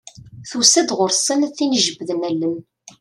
Tusa-d ɣur-sen tin ijebbden allen.